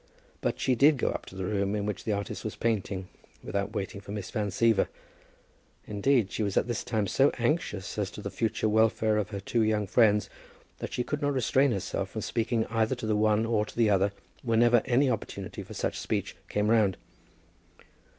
But she did go up to the room in which the artist was painting, without waiting for Miss Van Siever. Indeed, she was at this time so anxious as to the future welfare of her two young friends that she could not restrain herself from speaking either to the one or to the other, whenever any opportunity for such speech came round.